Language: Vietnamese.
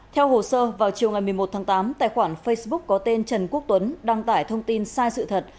theo hồ sơ vào chiều ngày một mươi một tháng tám tài khoản facebook có tên trần quốc tuấn đăng tải thông tin sai sự thật